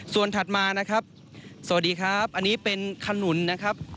ส่วนถัดมานะครับสวัสดีครับอันนี้เป็นขนุนนะครับ